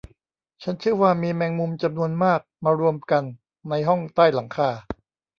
ฉันเชื่อว่ามีแมงมุมจำนวนมากมารวมกันในห้องใต้หลังคา